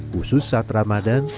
khusus saat ramadan